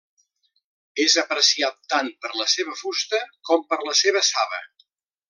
És apreciat tant per la seva fusta com per la seva saba.